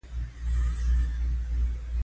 د سهار ناشته د ورځې مهم خواړه دي.